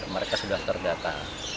mereka sudah terpaksa